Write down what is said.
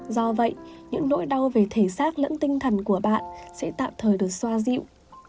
do vậy những nỗi đau về thể xác lẫn tinh thần của bạn sẽ tạm thời được xoa dịu